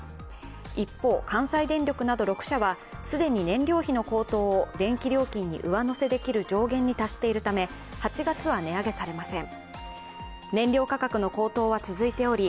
一方、関西電力など６社は既に燃料費の高騰を電気料金に上乗せできる上限に達しているため８月は値上げされません。